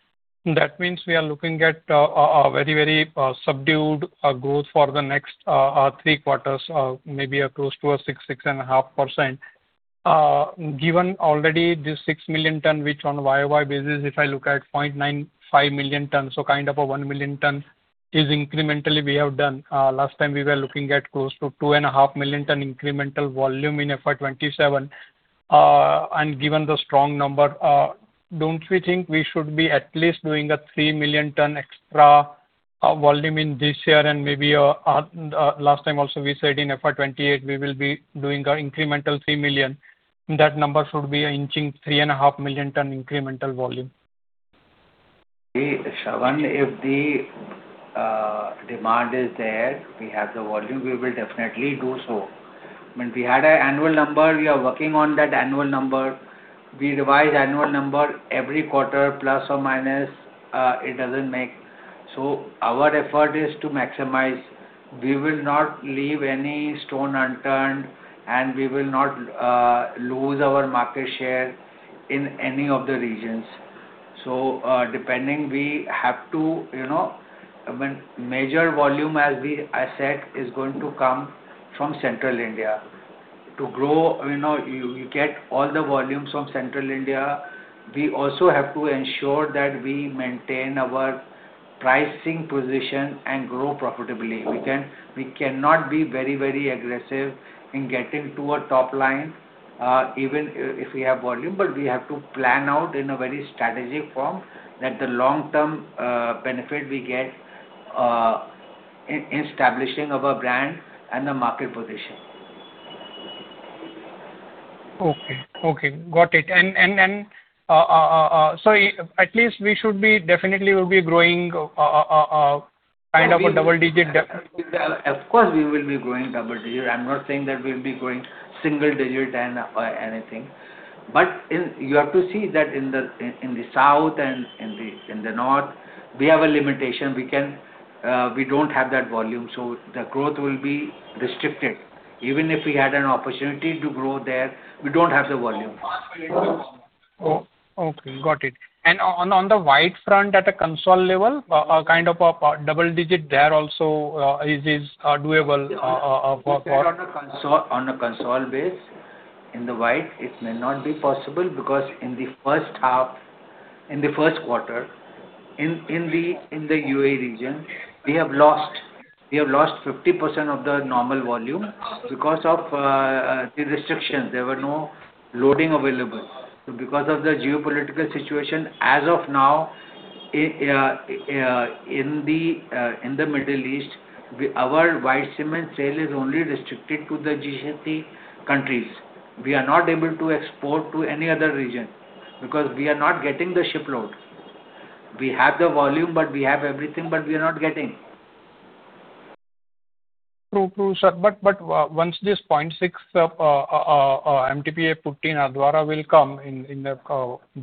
that means we are looking at a very subdued growth for the next three quarters, maybe close to 6.5%. Given already this 6 million tonnes, which on YoY basis, if I look at 0.95 million tonnes, so kind of a 1 million tonnes is incrementally we have done. Last time we were looking at close to 2.5 million tonnes incremental volume in FY 2027. Given the strong number, don't we think we should be at least doing a 3 million tonnes extra volume in this year and maybe last time also we said in FY 2028 we will be doing an incremental three million. That number should be inching 3.5 million tonnes incremental volume. Shravan, if the demand is there, we have the volume, we will definitely do so. We had an annual number. We are working on that annual number. We revise annual number every quarter, plus or minus, it doesn't make. Our effort is to maximize. We will not leave any stone unturned, and we will not lose our market share in any of the regions. Major volume, as I said, is going to come from Central India. To grow, you get all the volumes from Central India. We also have to ensure that we maintain our pricing position and grow profitably. We cannot be very aggressive in getting to a top line, even if we have volume, we have to plan out in a very strategic form that the long-term benefit we get in establishing of a brand and a market position. Okay. Got it. At least we should be definitely will be growing a kind of a double digit- Of course, we will be growing double digit. I'm not saying that we'll be growing single digit or anything. You have to see that in the South and in the North, we have a limitation. We don't have that volume, so the growth will be restricted. Even if we had an opportunity to grow there, we don't have the volume. Okay, got it. On the white front at a consolidated level, a kind of a double digit there also is doable for- On a consolidated base in the white, it may not be possible because in the first quarter, in the UAE region, we have lost 50% of the normal volume because of the restrictions. There were no loading available. Because of the geopolitical situation as of now in the Middle East, our white cement sale is only restricted to the GCC countries. We are not able to export to any other region because we are not getting the ship load. We have the volume, but we have everything, but we are not getting. True, sir. Once this 0.6 MTPA wall putty in Nathdwara will come in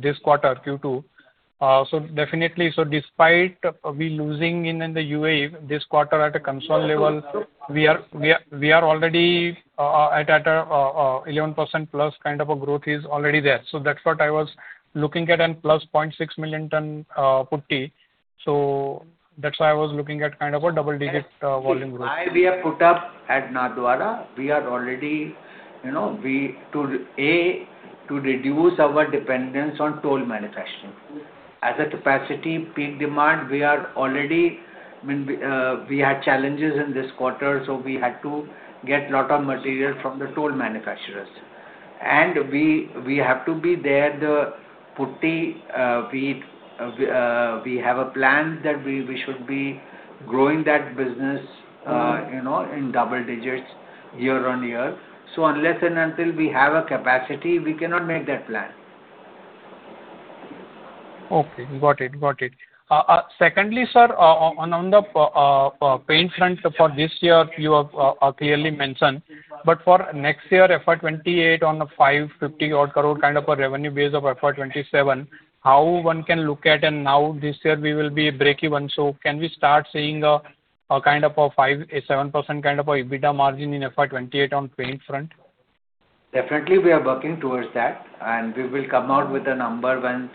this quarter, Q2, definitely, despite we losing in the UAE this quarter at a consolidated level, we are already at 11%+ kind of a growth is already there. That's what I was looking at and plus 0.6 million ton wall putty. That's why I was looking at kind of a double-digit volume growth. Why we have put up at Nathdwara, we are already to reduce our dependence on toll manufacturing. As a capacity peak demand, we had challenges in this quarter, we had to get lot of material from the toll manufacturers. We have to be there, the wall putty. We have a plan that we should be growing that business, in double digits year-on-year. Unless and until we have a capacity, we cannot make that plan. Okay. Got it. Secondly, sir, on the paint front for this year, you have clearly mentioned. For next year, FY 2028 on a 550 odd crore kind of a revenue base of FY 2027, how one can look at, now this year we will be breakeven, can we start seeing a kind of a 5%-7% kind of a EBITDA margin in FY 2028 on paint front? Definitely, we are working towards that, and we will come out with a number when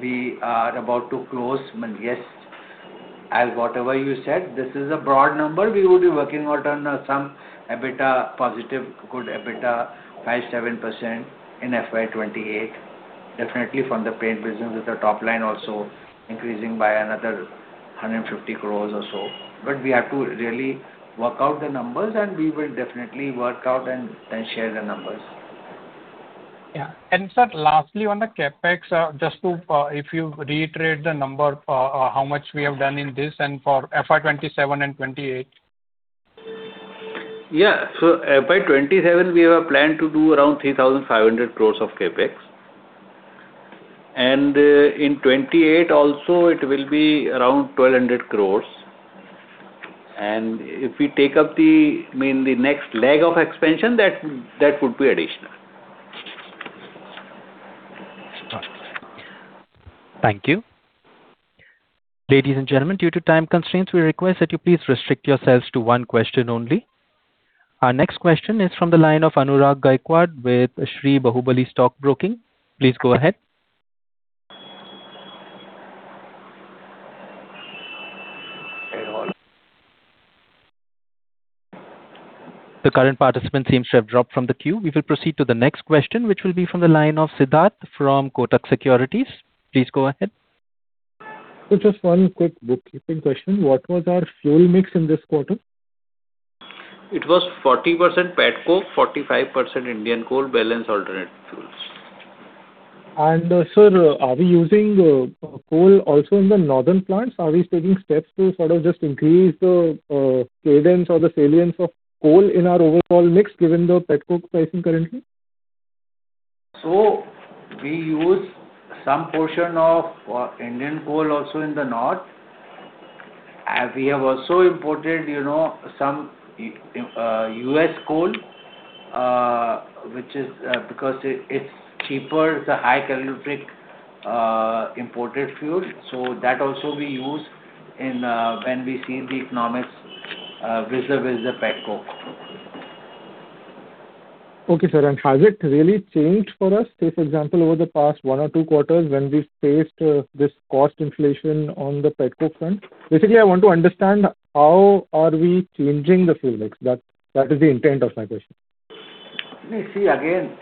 we are about to close. Yes, as whatever you said, this is a broad number. We would be working out on some EBITDA positive, good EBITDA 5%-7% in FY 2028, definitely from the paint business with the top line also increasing by another 150 crores or so. We have to really work out the numbers, and we will definitely work out and then share the numbers. Yeah. Sir, lastly, on the CapEx, just if you reiterate the number, how much we have done in this and for FY 2027 and FY 2028. Yeah. FY 2027, we have a plan to do around 3,500 crores of CapEx. In FY 2028 also, it will be around 1,200 crores. If we take up the next leg of expansion, that would be additional. Thank you. Ladies and gentlemen, due to time constraints, we request that you please restrict yourselves to one question only. Our next question is from the line of Anurag Gaikwad with Shree Bahubali Stock Broking. Please go ahead. The current participant seems to have dropped from the queue. We will proceed to the next question, which will be from the line of Siddharth Mehrotra from Kotak Securities. Please go ahead. Just one quick bookkeeping question. What was our fuel mix in this quarter? It was 40% petcoke, 45% Indian coal, balance alternate fuels. Sir, are we using coal also in the northern plants? Are we taking steps to sort of just increase the cadence or the salience of coal in our overall mix given the petcoke pricing currently? We use some portion of Indian coal also in the north. We have also imported some U.S. coal, which is because it's cheaper, it's a high calorific imported fuel. That also we use when we see the economics vis-à-vis the petcoke. Okay, sir. Has it really changed for us? Say, for example, over the past one or two quarters when we faced this cost inflation on the petcoke front. Basically, I want to understand how are we changing the fuel mix. That is the intent of my question. See, again,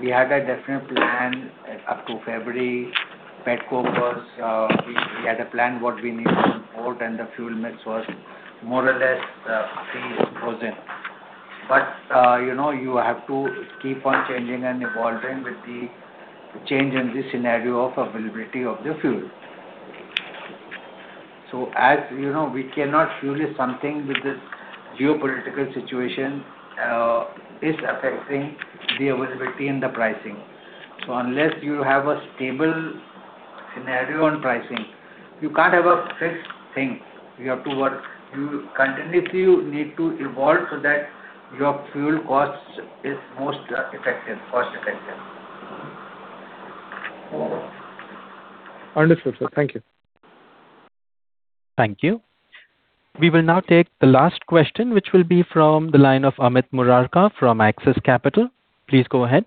we had a different plan up to February. We had a plan what we need to import, and the fuel mix was more or less frozen. You have to keep on changing and evolving with the change in the scenario of availability of the fuel. As you know, we cannot fuel something with this geopolitical situation, it's affecting the availability and the pricing. Unless you have a stable scenario on pricing, you can't have a fixed thing. You continuously need to evolve so that your fuel cost is most cost effective. Understood, sir. Thank you. Thank you. We will now take the last question, which will be from the line of Amit Murarka from Axis Capital. Please go ahead.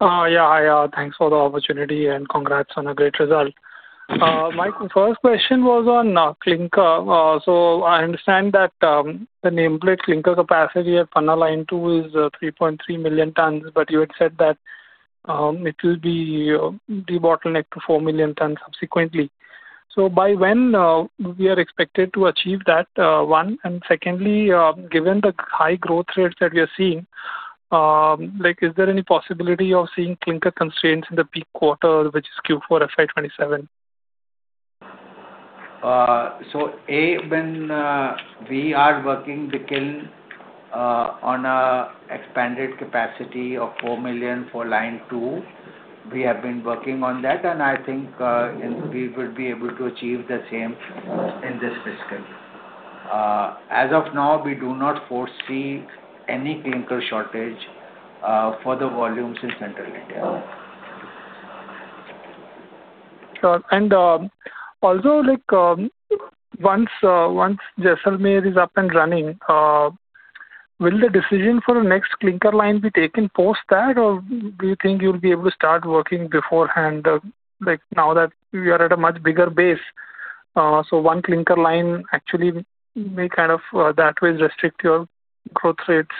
Thanks for the opportunity and congrats on a great result. My first question was on clinker. I understand that the nameplate clinker capacity at Panna Line Two is 3.3 million tonnes, but you had said that it will be de-bottlenecked to 4 million tonnes subsequently. By when we are expected to achieve that, one. Secondly, given the high growth rates that we are seeing, is there any possibility of seeing clinker constraints in the peak quarter, which is Q4 FY 2027? A, when we are working the kiln on an expanded capacity of 4 million for Line 2, we have been working on that, and I think we will be able to achieve the same in this fiscal. As of now, we do not foresee any clinker shortage for the volumes in Central India. Also, once Jaisalmer is up and running, will the decision for the next clinker line be taken post that, or do you think you'll be able to start working beforehand now that you are at a much bigger base? One clinker line actually may kind of that way restrict your growth rates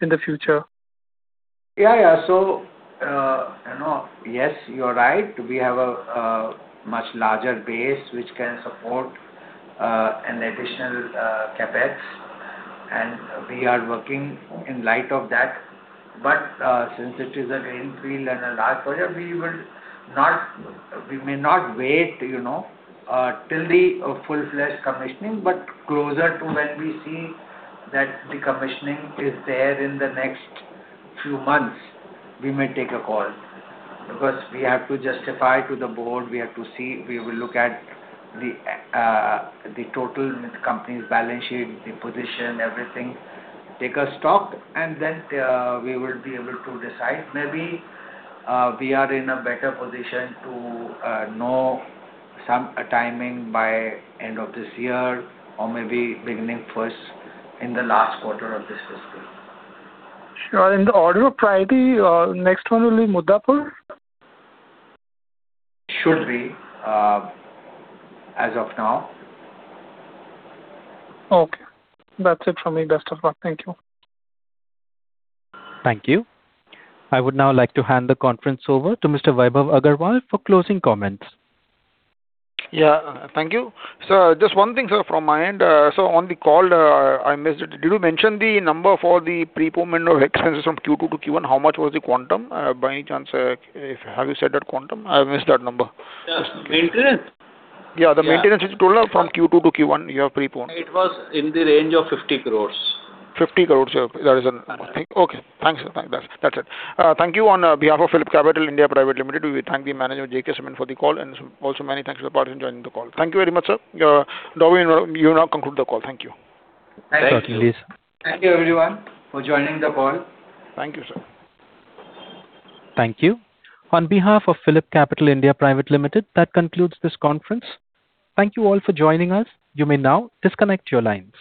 in the future. Yes, you are right. We have a much larger base which can support an additional CapEx, and we are working in light of that. Since it is a greenfield and a large project, we may not wait till the full-fledged commissioning, but closer to when we see that the commissioning is there in the next few months, we may take a call because we have to justify to the board. We have to see, we will look at the total company's balance sheet, the position, everything, take a stock, and then we will be able to decide. Maybe we are in a better position to know some timing by end of this year or maybe beginning first in the last quarter of this fiscal. Sure. In the order of priority, next one will be Muddapur? Should be, as of now. Okay. That's it from me. Best of luck. Thank you. Thank you. I would now like to hand the conference over to Mr. Vaibhav Agarwal for closing comments. Yeah. Thank you. Sir, just one thing, sir, from my end. On the call, I missed it. Did you mention the number for the prepayment of expenses from Q2 to Q1? How much was the quantum? By any chance, have you said that quantum? I missed that number. Yeah. Maintenance? Yeah, the maintenance which total from Q2 to Q1 you have preponed. It was in the range of 50 crores. 50 crores. Okay. Thanks. That's it. Thank you on behalf of PhillipCapital (India) Pvt. Ltd.. We thank the manager of JK Cement for the call, and also many thanks to the partners who joined the call. Thank you very much, sir. You now conclude the call. Thank you. Thank you. Certainly. Thank you everyone for joining the call. Thank you, sir. Thank you. On behalf of PhillipCapital (India) Pvt. Ltd. that concludes this conference. Thank you all for joining us. You may now disconnect your lines.